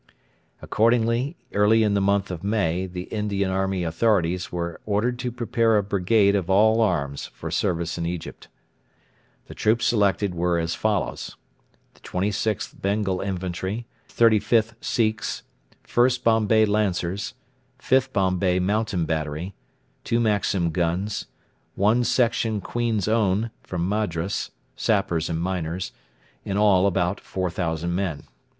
Accordingly early in the month of May the Indian Army authorities were ordered to prepare a brigade of all arms for service in Egypt. The troops selected were as follow: 26th Bengal Infantry, 35th Sikhs, 1st Bombay Lancers, 5th Bombay Mountain Battery, two Maxim guns, one section Queen's Own (Madras) Sappers and Miners in all about 4,000 men.